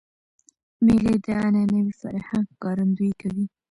مېلې د عنعنوي فرهنګ ښکارندویي کوي.